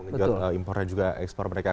begitu juga mengimportnya ekspor mereka